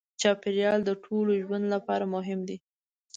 چاپېریال د ټولو ژوند لپاره مهم دی.